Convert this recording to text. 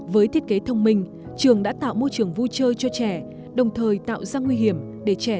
với thiết kế thông minh trường đã tạo môi trường vui chơi cho trẻ đồng thời tạo ra nguy hiểm để trẻ